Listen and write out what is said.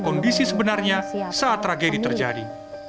kondisi sebenarnya saat tragedi terjadi